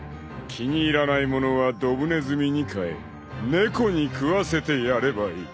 ［気に入らないものはドブネズミにかえ猫に食わせてやればいい］